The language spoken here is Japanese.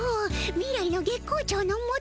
未来の月光町ノ元とな。